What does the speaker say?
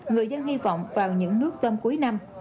người dân hy vọng vào những nước tôm cuối năm